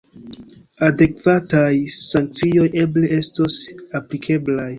Adekvataj sankcioj eble estos aplikeblaj.